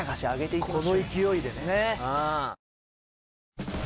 この勢いでね！